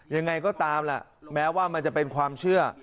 ยังไงก็ตามแหละแม้ว่ามันจะเป็นความเชื่อ